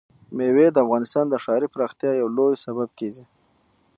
مېوې د افغانستان د ښاري پراختیا یو لوی سبب کېږي.